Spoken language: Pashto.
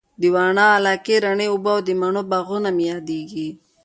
د واڼه علاقې رڼې اوبه او د مڼو باغونه مي ياديږي